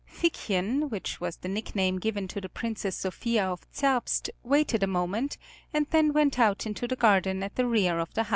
Figchen, which was the nickname given to the Princess Sophia of Zerbst, waited a moment and then went out into the garden at the rear of the house.